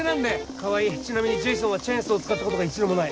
川合ちなみにジェイソンはチェーンソー使ったことが一度もない。